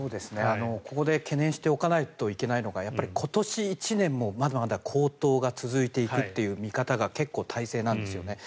ここで懸念しておかないといけないのがやっぱり今年１年、まだまだ高騰が続いていくという見方が結構大勢なんですね。